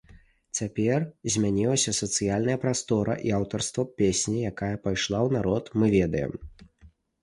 Цяпер змянілася сацыяльная прастора, і аўтарства песні, якая пайшла ў народ, мы ведаем.